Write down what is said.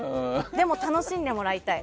でも楽しんでもらいたい。